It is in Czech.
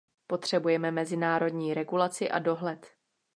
Potřebujeme mezinárodní regulaci a dohled.